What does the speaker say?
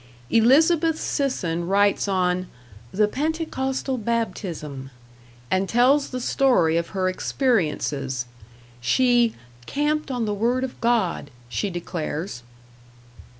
Elizabeth Sisson writes on "The Pentecostal Baptism", and tells the story of her experiences. She "camped on the Word of God," she declares.